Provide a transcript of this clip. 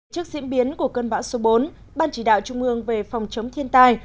trước diễn biến của cơn bão số bốn ban chỉ đạo trung ương về phòng chống thiên tai